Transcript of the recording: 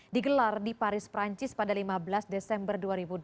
digelar di paris perancis pada lima belas desember dua ribu dua puluh